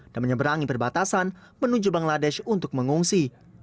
dan menyeberangi perbatasan menuju bangladesh untuk mengungsi